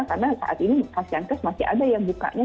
karena saat ini vaxiantest masih ada yang bukanya